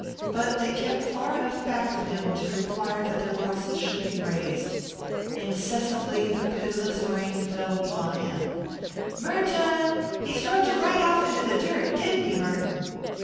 But they kept far enough back of him to require that their voices should be raised. Incessantly the pitiless rain fell upon him "Mer tun, he throwed you off right into the dirt, didn't he, Merton?"